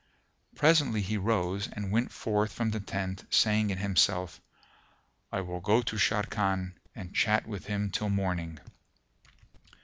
Presently he rose and went forth from the tent saying in himself, "I will go to Sharrkan and chat with him till morning."